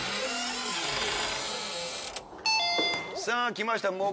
さあ来ました